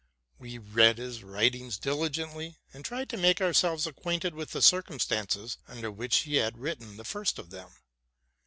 We read his writings diligently, and tried to make ourselves acquainted with the circumstances under which he had written the first of them.